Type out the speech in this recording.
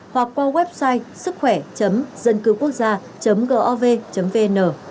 hoặc qua website sứckhoẻ dâncưquốcgia gov vn